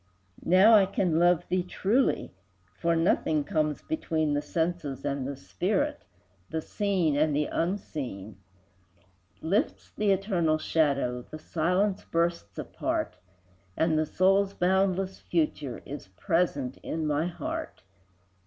Now I can love thee truly, For nothing comes between The senses and the spirit, The seen and the unseen; Lifts the eternal shadow, The silence bursts apart, And the soul's boundless future Is present in my heart.